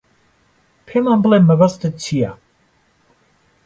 پێمان بڵێ مەبەستت چییە.